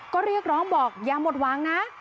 ก็เรียกร้องบอกอย่าหมดหวังนะ